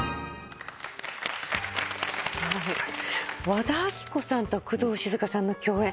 和田アキ子さんと工藤静香さんの共演